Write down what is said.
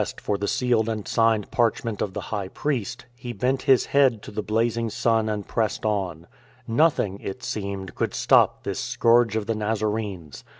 80 IN TRAINING for the sealed and signed parchment of the High Priest, he bent his head to the blazing sun and pressed on. Nothing (it seemed) could stop this scourge of the Nazarenes.